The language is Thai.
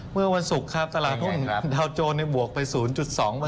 เมื่อวันศุกร์ครับตลาดทุนดาวโจรให้บวกไป๐๒เปอร์เซ็นต์